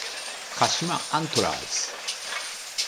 鹿島アントラーズ